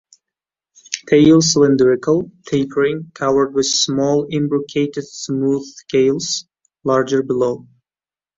Tail cylindrical, tapering, covered with small imbricated smooth scales, larger below.